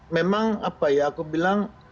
memang apa ya aku bilang